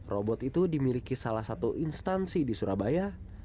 robot itu dimiliki salah satu instansi di surabaya